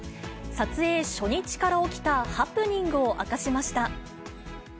撮影初日から起きたハプニングを明かしました。